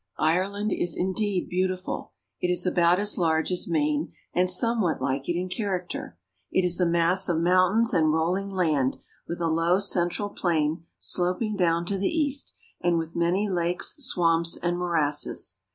Ireland is indeed beautiful. It is about as large as Maine, and somewhat like it in character. It is a mass of mountains and rolling land, with a low central plain slop ing down to the east, and with many lakes, swamps, and morasses.